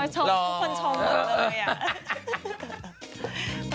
อ๋อชมทุกคนชมมันเลยอะ